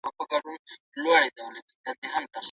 په بحث کي به له بې ځایه غوسې تېرېږئ.